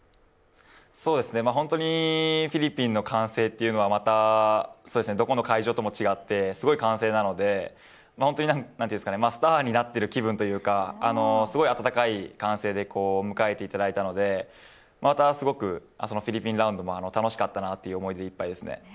本当にフィリピンの歓声はどこの会場とも違ってすごい歓声なのでスターになっている気分というかすごい温かい歓声で迎えていただいたので、すごくフィリピンラウンドは楽しかったなと思いますね。